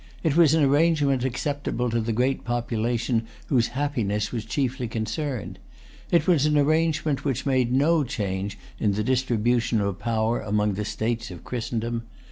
It was an arrangement acceptable to the great population whose happiness was chiefly concerned. It was an arrangement which made no change in the distribution of power among the states of Christendom.